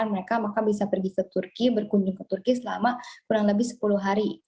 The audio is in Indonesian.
mereka maka bisa pergi ke turki berkunjung ke turki selama kurang lebih sepuluh hari